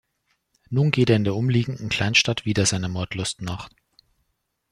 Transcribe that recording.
Nun geht er in der umliegenden Kleinstadt wieder seiner Mordlust nach.